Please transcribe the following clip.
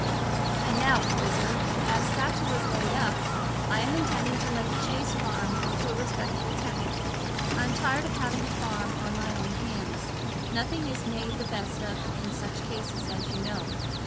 "And now, Poyser, as Satchell is laid up, I am intending to let the Chase Farm to a respectable tenant. I'm tired of having a farm on my own hands—nothing is made the best of in such cases, as you know.